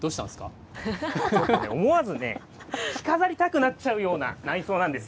思わずね、着飾りたくなっちゃうような内装なんです。